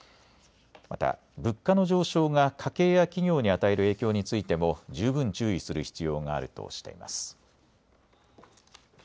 また物価の上昇が家計や企業に与える影響についても十分注意する必要があるとしています。